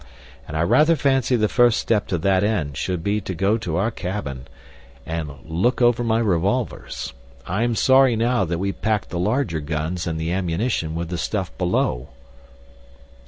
And I rather fancy the first step to that end should be to go to our cabin and look over my revolvers. I am sorry now that we packed the larger guns and the ammunition with the stuff below."